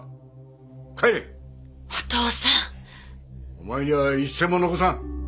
お前には一銭も残さん。